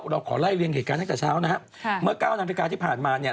เราขอไล่เรียงเหตุการณ์ตั้งแต่เช้านะครับเมื่อเก้านาฬิกาที่ผ่านมาเนี่ย